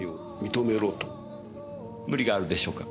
無理があるでしょうか？